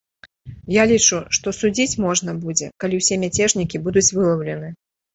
Я лічу, што судзіць можна будзе, калі ўсе мяцежнікі будуць вылаўлены.